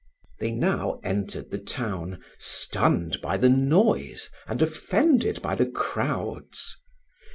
They now entered the town, stunned by the noise and offended by the crowds.